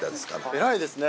偉いですね。